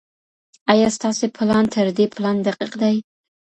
ايا ستاسي پلان تر دې پلان دقيق دی؟